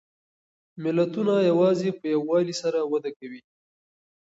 ملتونه یوازې په یووالي سره وده کوي.